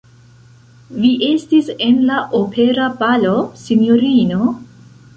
Vi estis en la opera balo, sinjorino?